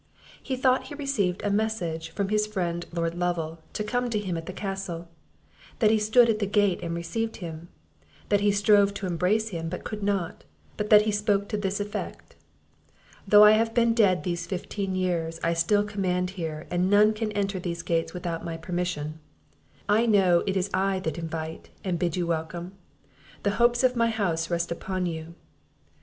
He thought he received a message from his friend Lord Lovel, to come to him at the castle; that he stood at the gate and received him, that he strove to embrace him, but could not; but that he spoke to this effect: "Though I have been dead these fifteen years, I still command here, and none can enter these gates without my permission; know that it is I that invite, and bid you welcome; the hopes of my house rest upon you."